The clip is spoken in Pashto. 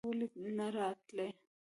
ولې نه راتلې?